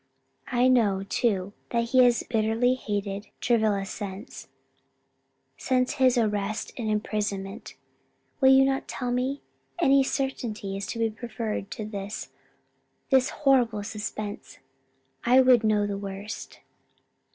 I know, too, that he has bitterly hated Travilla since since his arrest and imprisonment. Will you not tell me? Any certainty is to be preferred to this this horrible suspense. I would know the worst."